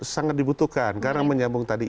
sangat dibutuhkan karena menyambung tadi